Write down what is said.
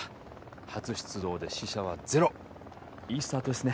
初出動で死者はゼロいいスタートですね